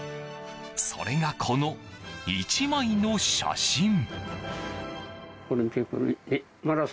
それが、この１枚の写真。